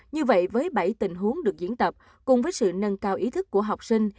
như vậy với bảy tình huống được diễn tập cùng với sự nâng cao ý thức của học sinh